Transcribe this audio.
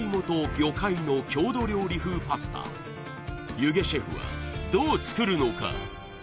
弓削シェフはどう作るのか？